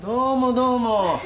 どうも。